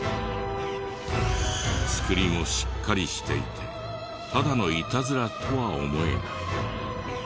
作りもしっかりしていてただのイタズラとは思えない。